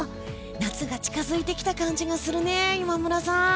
夏が近づいてきた感じがするね今村さん。